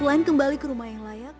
ayo lombok jalan deh